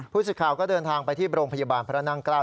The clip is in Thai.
สิทธิ์ก็เดินทางไปที่โรงพยาบาลพระนั่งเกล้า